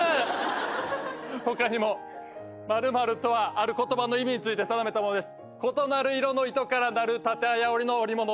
ある言葉の意味について定めたものです。